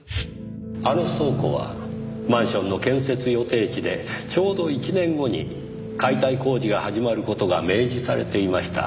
あの倉庫はマンションの建設予定地でちょうど１年後に解体工事が始まる事が明示されていました。